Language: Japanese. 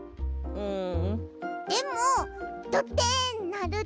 うん！